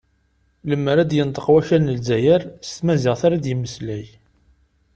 Lemmer ad d-yenṭeq wakal n Lezzayer, s tamaziɣt ara d-yemmeslay.